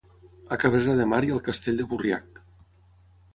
A Cabrera de Mar hi ha el Castell de Burriac